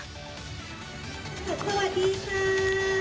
สวัสดีค่ะ